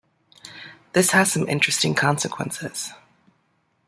This has some interesting consequences.